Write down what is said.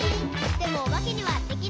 「でもおばけにはできない。」